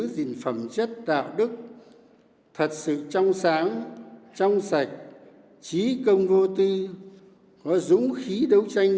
tất cả những phẩm chất đạo đức thật sự trong sáng trong sạch trí công vô tư có dũng khí đấu tranh